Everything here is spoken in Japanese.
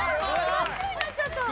真っ白になっちゃった。